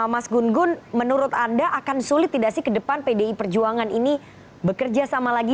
mas gun gun menurut anda akan sulit tidak sih ke depan pdi perjuangan ini bekerja sama lagi